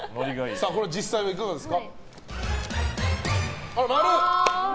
実際はいかがですか。